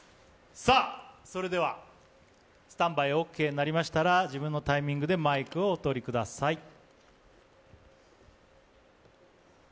それでは、スタンバイオーケーになりましたら自分のタイミングでマイクをお取りください。